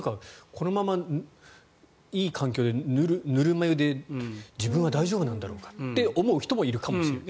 このままいい環境でぬるま湯で自分は大丈夫なんだろうかと思う人もいるかもしれない。